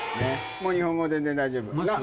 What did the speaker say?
もう日本語全然大丈夫。